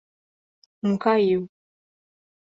Um caiu